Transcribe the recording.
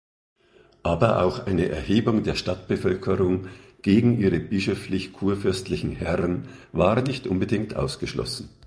Aber auch eine Erhebung der Stadtbevölkerung gegen ihre bischöflich-kurfürstlichen Herren war nicht unbedingt ausgeschlossen.